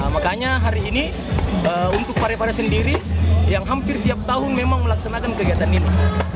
makanya hari ini untuk parepare sendiri yang hampir tiap tahun memang melaksanakan kegiatan ini